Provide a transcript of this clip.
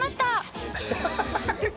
「ハハハハ！」